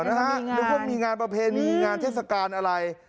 นึกว่ามีงานประเพณีงานเทศกาลอะไร